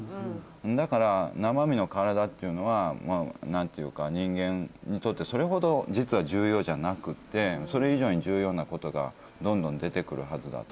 だから生身の体っていうのは何ていうか人間にとってそれほど実は重要じゃなくってそれ以上に重要なことがどんどん出てくるはずだと。